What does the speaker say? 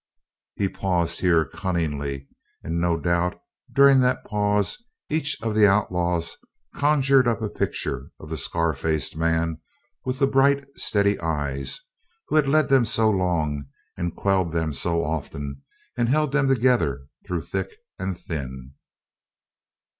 He paused here cunningly, and, no doubt, during that pause each of the outlaws conjured up a picture of the scar faced man with the bright, steady eyes, who had led them so long and quelled them so often and held them together through thick and thin.